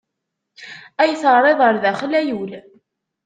Ay terriḍ ar daxel a yul!